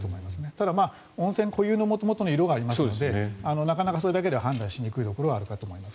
ただ、温泉固有の元々の色がありますのでなかなかそれだけでは判断しにくいところはあると思います。